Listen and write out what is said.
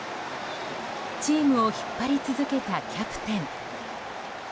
チームを引っ張り続けたキャプテン。